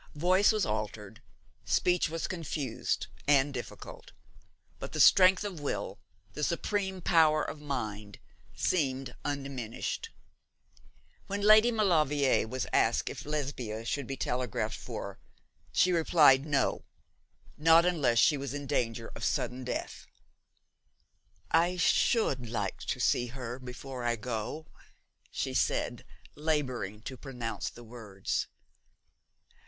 Voice was altered, speech was confused and difficult; but the strength of will, the supreme power of mind, seemed undiminished. When Lady Maulevrier was asked if Lesbia should be telegraphed for, she replied no, not unless she was in danger of sudden death. 'I should like to see her before I go,' she said, labouring to pronounce the words.